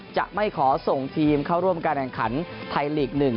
จะไม่ขอส่งทีมเข้าร่วมการแข่งขันไทยลีก๑